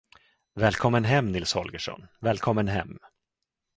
Välkommen hem, Nils Holgersson, välkommen hem!